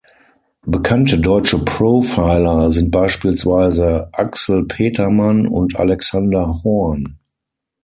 Bekannte deutsche Profiler sind beispielsweise Axel Petermann und Alexander Horn.